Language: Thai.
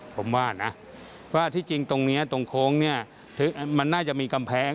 ผมว่านะว่าที่จริงตรงนี้ตรงโค้งเนี่ยมันน่าจะมีกำแพง